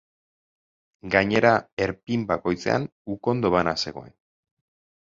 Gainera, erpin bakoitzean ukondo bana zegoen.